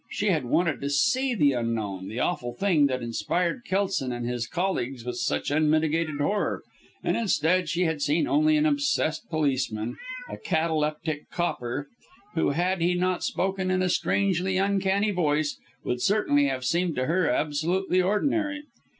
She had wanted to see the Unknown the awful thing that had inspired Kelson and his colleagues with such unmitigated horror and instead she had seen only an obsessed policeman a cataleptic "copper" who, had he not spoken in a strangely uncanny voice, would certainly have seemed to her absolutely ordinary.